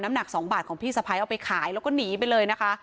หนัก๒บาทของพี่สะพ้ายเอาไปขายแล้วก็หนีไปเลยนะคะ